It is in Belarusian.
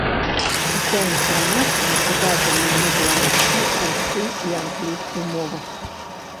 Уся інфармацыя пададзеная на беларускай, рускай і англійскай мовах.